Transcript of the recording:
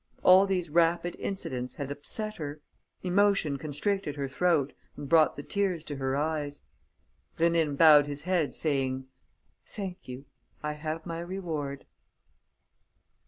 All these rapid incidents had upset her. Emotion constricted her throat and brought the tears to her eyes. Rénine bowed his head, saying: "Thank you. I have my reward."